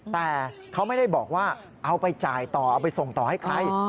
แต่เขาไม่ได้บอกว่าเอาไปจ่ายต่อเอาไปส่งต่อให้ใคร